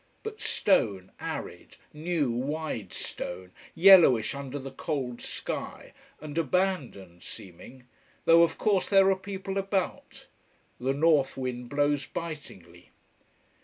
But stone, arid, new, wide stone, yellowish under the cold sky and abandoned seeming. Though, of course, there are people about. The north wind blows bitingly.